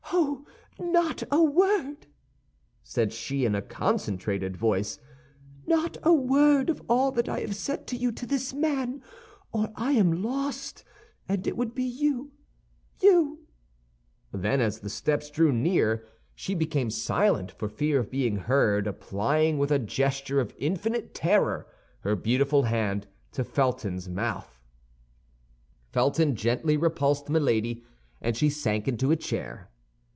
"Oh, not a word," said she in a concentrated voice, "not a word of all that I have said to you to this man, or I am lost, and it would be you—you—" Then as the steps drew near, she became silent for fear of being heard, applying, with a gesture of infinite terror, her beautiful hand to Felton's mouth. Felton gently repulsed Milady, and she sank into a chair.